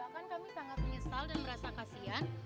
bahkan kami tangga penyesal dan merasa kasihan